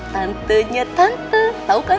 tantenya tante tau kan